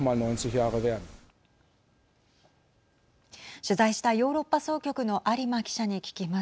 取材したヨーロッパ総局の有馬記者に聞きます。